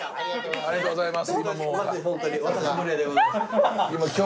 ありがとうございます。